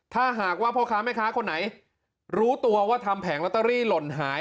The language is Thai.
ถ้าหากว่าพ่อค้าแม่ค้าคนไหนรู้ตัวว่าทำแผงลอตเตอรี่หล่นหาย